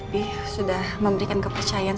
bi sudah memberikan kepercayaan